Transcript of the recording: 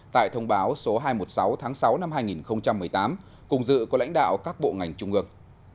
tại thông báo số hai trăm một mươi sáu tháng sáu năm hai nghìn một mươi tám cùng dự của lãnh đạo các bộ ngành trung ương